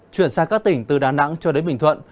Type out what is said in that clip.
chuyển sang các tỉnh từ đà nẵng cho đến bình thuận